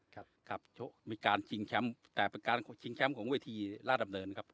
ครับครับชกมีการชิงแชมป์แต่เป็นการชิงแชมป์ของเวทีราชดำเนินครับ